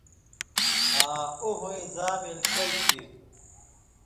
آں اُو (ہوئیں) زاں مِلیۡ کل کیریۡ تھُو۔